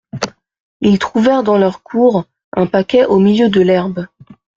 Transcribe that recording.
Ils trouvèrent dans leur cour un paquet au milieu de l'herbe.